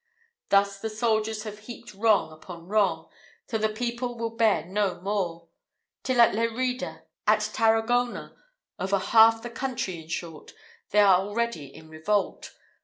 Thus the soldiers have heaped wrong upon wrong, till the people will bear no more; till at Lerida, at Taragona over half the country, in short, they are already in revolt.